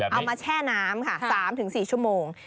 เอามาแช่น้ำ๓๔ชั่วโมง